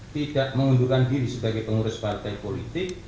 tidak mengundurkan diri sebagai pengurus partai politik